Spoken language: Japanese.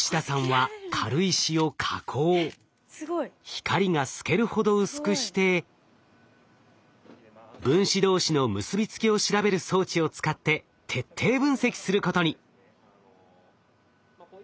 光が透けるほど薄くして分子同士の結び付きを調べる装置を使って徹底分析することに。